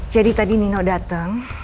jadi tadi nino datang